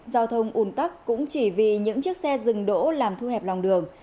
giao thông ủn tắc cũng chỉ vì những chiếc xe dừng đỗ làm thu hẹp lòng đường